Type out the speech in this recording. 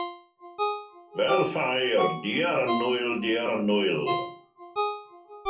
Fel ffair! - diar annwyl, diar annwyl!